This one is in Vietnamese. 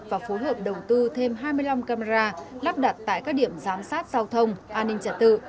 và phối hợp đầu tư thêm hai mươi năm camera lắp đặt tại các điểm giám sát giao thông an ninh trật tự